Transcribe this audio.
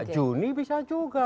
juni bisa juga